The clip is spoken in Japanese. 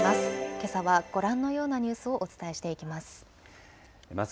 けさはご覧のようなニュースをお伝えしていきます。